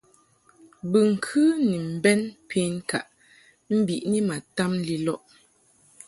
Bɨŋkɨ ni mbɛn penkaʼ mbiʼni ma tam lilɔʼ.